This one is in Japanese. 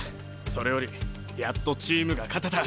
それよりやっとチームが勝てた。